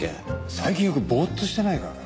最近よくボーッとしてないか？